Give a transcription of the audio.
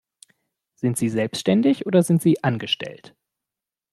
Sind sie selbstständig oder sind sie Angestellt?